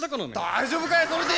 大丈夫かよそれで。